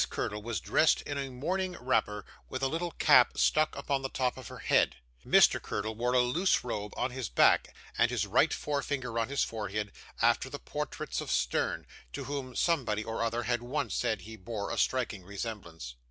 Curdle was dressed in a morning wrapper, with a little cap stuck upon the top of her head. Mr. Curdle wore a loose robe on his back, and his right forefinger on his forehead after the portraits of Sterne, to whom somebody or other had once said he bore a striking resemblance.